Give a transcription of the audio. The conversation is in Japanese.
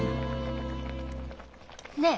ねえ。